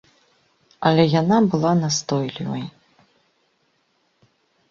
Але яна была настойлівай.